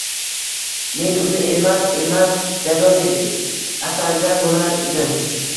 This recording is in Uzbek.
Men uni evaz emas, jazo deb atagan boʻlardim